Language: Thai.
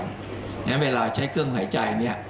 เพราะฉะนั้นเวลาใช้เครื่องหายใจเนี่ย